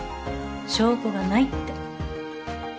証拠がないって。